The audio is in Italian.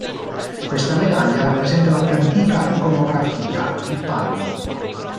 Questa medaglia rappresenta la più antica iconografia di Palmi.